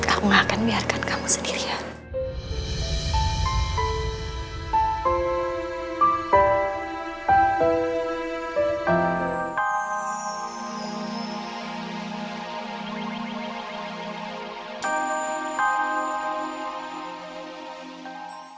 aku gak akan biarkan kamu sendirian